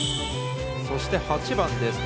そして８番です。